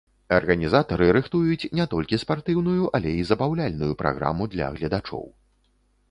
Арганізатары рыхтуюць не толькі спартыўную, але і забаўляльную праграму для гледачоў.